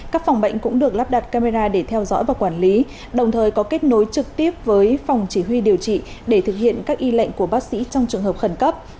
các phòng bệnh cũng được lắp đặt camera để theo dõi và quản lý đồng thời có kết nối trực tiếp với phòng chỉ huy điều trị để thực hiện các y lệnh của bác sĩ trong trường hợp khẩn cấp